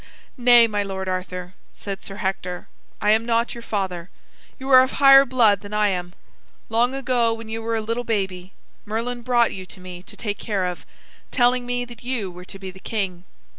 "Nay, my lord Arthur," said Sir Hector, "I am not your father. You are of higher blood than I am. Long ago, when you were a little baby, Merlin brought you to me to take care of, telling me that you were to be the king."